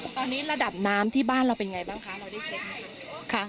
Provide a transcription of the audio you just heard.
ตอนนี้ระดับน้ำที่บ้านเราเป็นไงบ้างคะเราได้เช็คไหม